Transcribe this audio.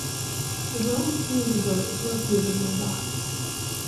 The Romme ski resort is located nearby.